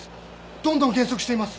どんどん減速しています。